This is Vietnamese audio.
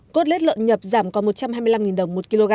cốt lết lợn nhập giảm còn một trăm hai mươi năm đồng một kg